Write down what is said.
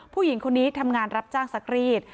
ผู้หญิงคนนี้ทำงานรับจ้างซักรีด